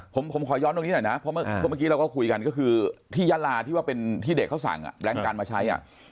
ผมขอย้อนตรงนี้หน่อยนะเพราะเมื่อกี้เราก็คุยกันก็คือที่ยาลาที่ว่าเป็นที่เด็กเขาสั่งแรงกันมาใช้